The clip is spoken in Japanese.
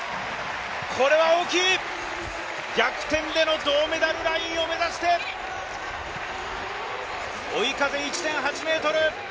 これは大きい、逆転での銅メダルラインを目指して追い風１．８メートル。